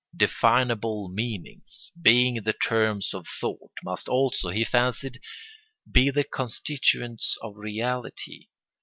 Definable meanings, being the terms of thought, must also, he fancied, be the constituents of reality.